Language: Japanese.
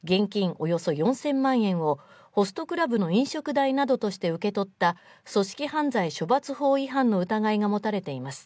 およそ４０００万円をホストクラブの飲食代などとして受け取った組織犯罪処罰法違反の疑いが持たれています